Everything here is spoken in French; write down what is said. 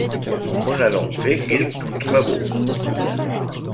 On a donc fait quelques travaux.